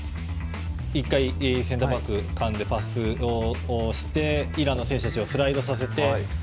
１回センターバックをかんでパスをしてイランの選手たちをスライドさせて。